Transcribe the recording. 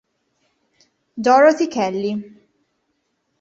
Dorothy Kelly